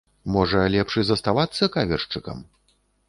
Можа, лепш і заставацца кавершчыкам?